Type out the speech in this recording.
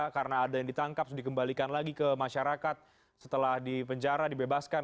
karena ada yang ditangkap dikembalikan lagi ke masyarakat setelah dipenjara dibebaskan